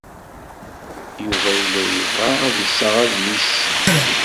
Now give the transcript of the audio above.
Yuba yella yebɣa ad d-iseɣ adlis.